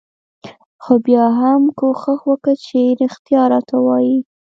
خو بيا هم کوښښ وکه چې رښتيا راته وايې.